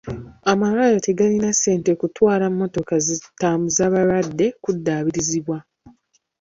Amalwaliro tegalina ssente kutwala mmotoka zitambuza balwadde kuddaabirizibwa.